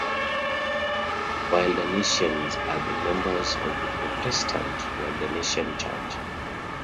Waldensians are the members of the Protestant Waldensian Church.